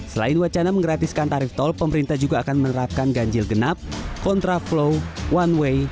selain wacana menggratiskan tarif tol pemerintah juga akan menerapkan ganjil genap kontraflow one way